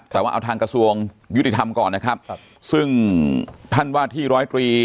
แต่ว่าเอาทางกระทรวงยุติธรรมก่อนนะครับซึ่งท่านว่าที่ร้อยตรี